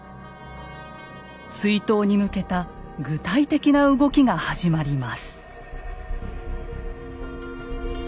追討に向けた具体的な動きが始まります。